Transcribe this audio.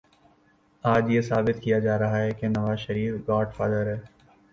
آج یہ ثابت کیا جا رہا ہے کہ نوازشریف گاڈ فادر ہے۔